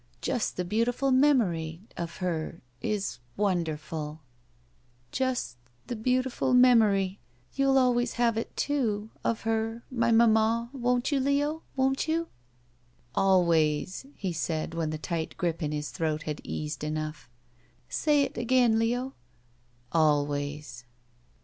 Just the beautiftil memory — of — ^her — is — ^wonderful —'* "Just — ^the b beautiful — ^memory — ^you'll always have it, too — of her — ^my mamma — ^won't you, Leo? Won't you?" "Always," he said when the tight grip in his throat had eased enough. "Say — ^it again — Leo." "Always."